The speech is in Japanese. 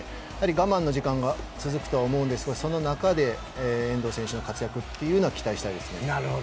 我慢の時間が続くとは思うんですがその中で遠藤選手の活躍を期待したいですね。